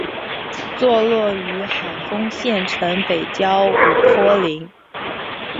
坐落于海丰县城北郊五坡岭。